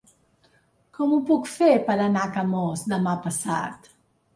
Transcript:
Com ho puc fer per anar a Camós demà passat?